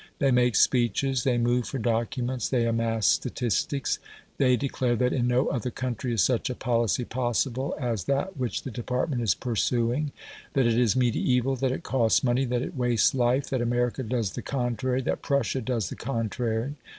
They make speeches, they move for documents, they amass statistics. They declare "that in no other country is such a policy possible as that which the department is pursuing; that it is mediaeval; that it costs money; that it wastes life; that America does the contrary; that Prussia does the contrary".